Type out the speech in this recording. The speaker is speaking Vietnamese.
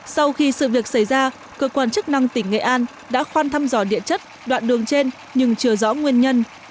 sau khi sự việc xảy ra cơ quan chức năng tỉnh nghệ an đã khoan thăm dò địa chất đoạn đường trên nhưng chưa rõ nguyên nhân